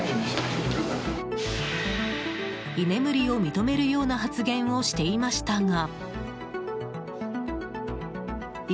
居眠りを認めるような発言をしていましたが。